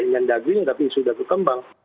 ingin dagu ini tapi sudah berkembang